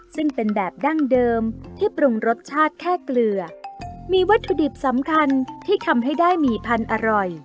ซึ่งเป็นแบบดั้งเดิมที่ปรุงรสชาติแค่เกลือมีวัตถุดิบสำคัญที่ทำให้ได้หมี่พันธุ์อร่อย